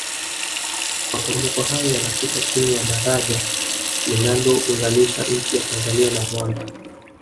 maporomoko hayo yanapita chini ya daraja linalounganisha nchi ya tanzania na rwanda